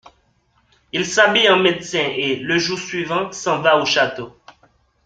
Il s'habille en médecin, et, le jour suivant, s'en va au château.